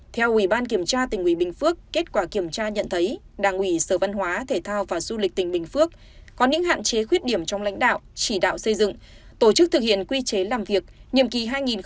theo ủy ban kiểm tra tỉnh ủy bình phước kết quả kiểm tra nhận thấy đảng ủy sở văn hóa thể thao và du lịch tỉnh bình phước có những hạn chế khuyết điểm trong lãnh đạo chỉ đạo xây dựng tổ chức thực hiện quy chế làm việc nhiệm kỳ hai nghìn một mươi năm hai nghìn hai mươi